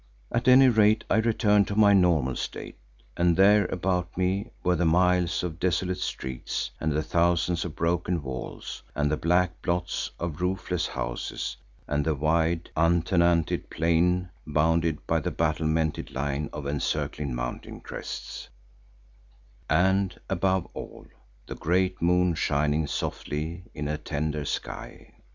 At any rate I returned to my normal state, and there about me were the miles of desolate streets and the thousands of broken walls, and the black blots of roofless houses and the wide, untenanted plain bounded by the battlemented line of encircling mountain crests, and above all, the great moon shining softly in a tender sky.